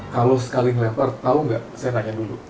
kalau sekali ngelempar tahu nggak saya nanya dulu